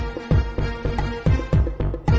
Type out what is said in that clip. กินโทษส่องแล้วอย่างนี้ก็ได้